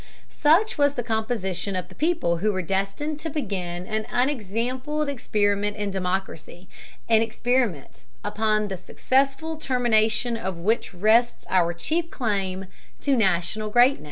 Such was the composition of the people who were destined to begin an unexampled experiment in democracy, an experiment upon the successful termination of which rests our chief claim to national greatness.